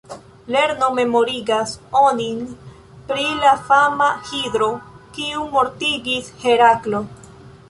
Lerno memorigas onin pri la fama Hidro, kiun mortigis Heraklo.